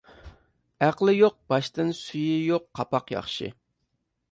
ئەقلى يوق باشتىن سۈيى يوق قاپاق ياخشى.